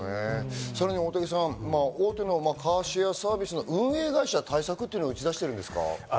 さらに大竹さん、大手のカーシェアサービスの運営会社、対策を打ち出してるんですか？